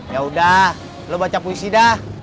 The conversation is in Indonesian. ya udah lo baca puisi dah